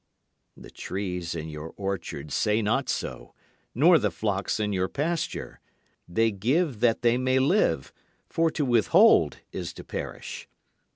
The trees in your orchard say not so, nor the flocks in your pasture. They give that they may live, for to withhold is to perish.